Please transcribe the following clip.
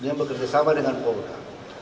dia bekerja sama dengan polda